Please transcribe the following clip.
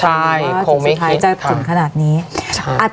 ใช่คงไม่คิดค่ะ